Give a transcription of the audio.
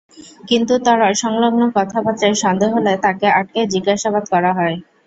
কিন্তু তাঁর অসংলগ্ন কথাবার্তায় সন্দেহ হলে তাঁকে আটকে জিজ্ঞাসাবাদ করা হয়।